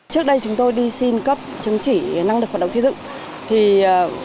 trước đây chúng tôi đi xin cấp chứng chỉ năng lực hoạt động xây dựng